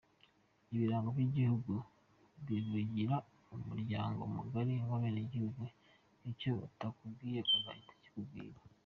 Ibirango by’igihugu bivugira umuryango mugari w’abenegihugu, icyo batakubwiye ugahita ukibwira.